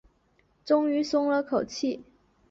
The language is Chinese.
终于松了口气